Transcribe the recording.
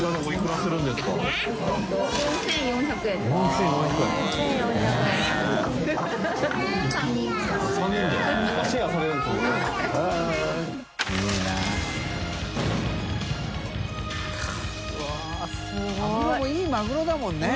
マグロもいいマグロだもんね。